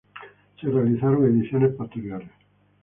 Se realizaron ediciones posteriores.